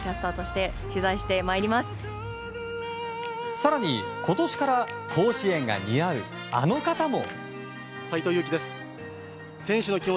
更に今年から甲子園が似合うあの方も！